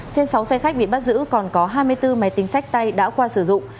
trên sáu xe khách bị bắt giữ còn có hai mươi bốn máy tính sách tay đã qua sử dụng